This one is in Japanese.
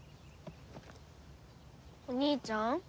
お兄ちゃん